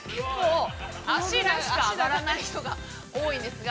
◆脚が上がらない人が多いんですが。